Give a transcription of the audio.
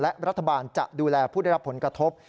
และรัฐบาลจะดูแลผู้ได้รับผลกระทบ